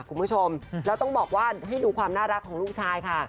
คุณผู้ชมแล้วต้องบอกว่าให้ดูความน่ารักของลูกชายค่ะ